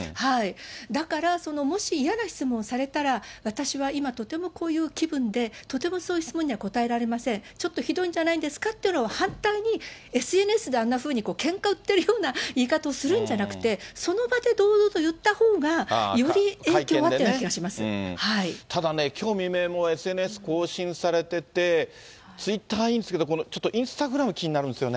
だからもし嫌な質問されたら、私は今、とてもこういう気分で、とてもそういう質問には答えられません、ちょっとひどいんじゃないですかっていうのを反対に、ＳＮＳで、あんなふうにけんか売ってるような言い方をするんじゃなくて、その場で堂々と言ったほうが、ただね、きょう未明もＳＮＳ更新されてて、ツイッターはいいんですけど、ちょっとインスタグラム、気になるんですよね。